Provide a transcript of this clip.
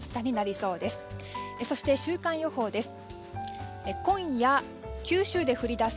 そして、週間予報です。